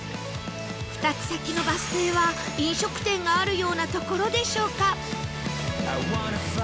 ２つ先のバス停は飲食店があるような所でしょうか？